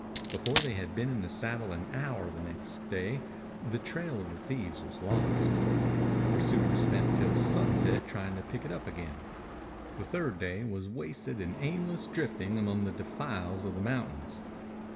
Before they had been in the saddle an hour next day the trail of the thieves was lost. The pursuers spent till sunset trying to pick it up again. The third day was wasted in aimless drifting among the defiles of the mountains.